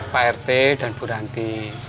pak rt dan bu ranti